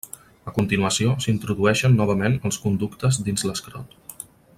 A continuació s'introdueixen novament els conductes dins l'escrot.